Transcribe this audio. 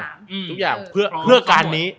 ทุกอย่างเพื่อการนี้